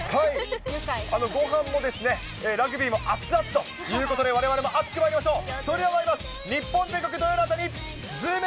ごはんも、ラグビーも熱々ということで、われわれもあつくまいりましょう。